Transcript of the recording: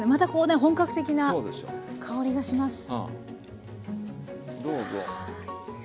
本格的な香りがします。